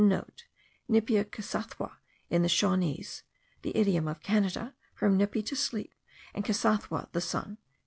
*(* Nipia kisathwa in the Shawanese (the idiom of Canada), from nippi, to sleep, and kisathwa, the sun.)